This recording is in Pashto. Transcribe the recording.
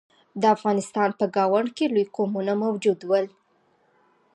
د افغانستان په ګاونډ کې لوی قومونه موجود ول.